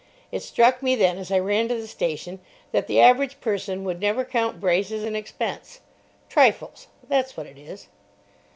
It struck me then as I ran to the station that the average person would never count braces an expense. Trifles—that's what it is.